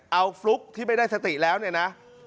เอาฟลุ๊กที่ไม่ได้สติแล้วเนี่ยนะ